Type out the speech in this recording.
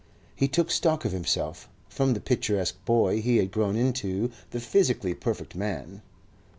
He took stock of himself. From the picturesque boy he had grown into the physically perfect man.